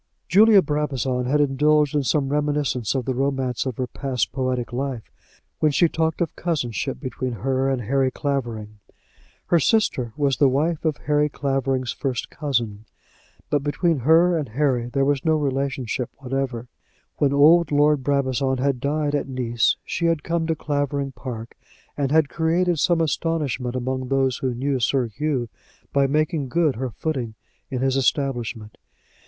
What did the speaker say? Julia Brabazon had indulged in some reminiscence of the romance of her past poetic life when she talked of cousinship between her and Harry Clavering. Her sister was the wife of Harry Clavering's first cousin, but between her and Harry there was no relationship whatever. When old Lord Brabazon had died at Nice she had come to Clavering Park, and had created some astonishment among those who knew Sir Hugh by making good her footing in his establishment.